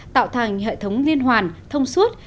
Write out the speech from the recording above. tạo thành hệ thống liên hoàn thông suốt